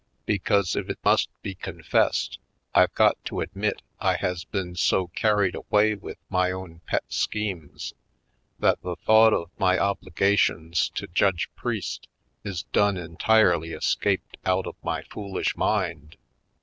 Because, if it must be confessed, I've got to admit I has been so carried away with my own pet schemes that the thought of my obligations to Judge Priest is done en tirely escaped out of my foolish mind.